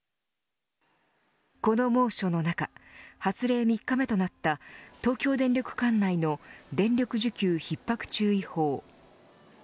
この猛暑の中発令３日目となった東京電力管内の電力需給ひっ迫注意報。